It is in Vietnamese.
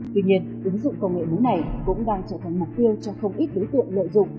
tuy nhiên ứng dụng công nghệ mới này cũng đang trở thành mục tiêu cho không ít đối tượng lợi dụng